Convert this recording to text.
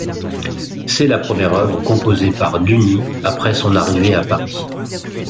C'est la première œuvre composée par Duni après son arrivée à Paris.